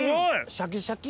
シャキシャキ！